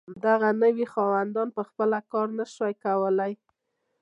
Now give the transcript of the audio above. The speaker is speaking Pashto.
دغه نوي خاوندان په خپله کار نشو کولی.